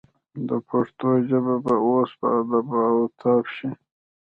د پښتو ژبه به اوس په آب و تاب شي.